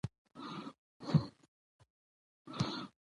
سهار وختي له خوبه پاڅېدل